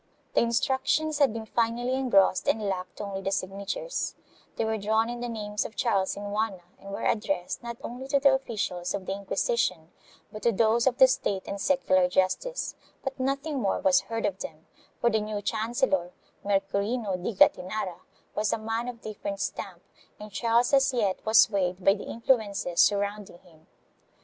1 The Instructions had been finally engrossed and lacked only the signatures; they were drawn in the names of Charles and Juana and were addressed not only to the officials of the Inquisition but to those of the state and secular justice, but nothing more was heard of them, for the new chancellor, Mercurino di Gat tinara, was a man of different stamp, and Charles as yet was swayed by the influences surrounding him.